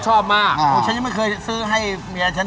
โอ้โห้ซื้อตั้ง๓ทันย่อ